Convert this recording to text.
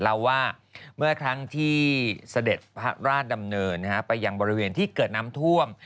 เล่าว่าเมื่อครั้งที่เสด็จพระราชดำเนินไปยังบริเวณที่เกิดน้ำท่วม